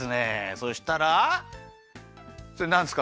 そしたらそれなんですか？